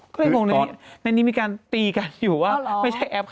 ก็เลยงงในนี้มีการตีกันอยู่ว่าไม่ใช่แอปค่ะ